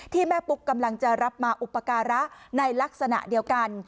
แม่ปุ๊กกำลังจะรับมาอุปการะในลักษณะเดียวกัน